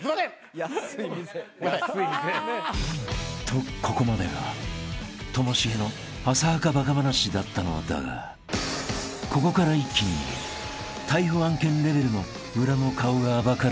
［とここまでがともしげの浅はかバカ話だったのだがここから一気に逮捕案件レベルの裏の顔が暴かれていく］